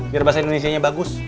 biar bahasa indonesia nya bagus